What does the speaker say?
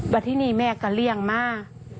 วันนี้แม่กระเลี่ยงมา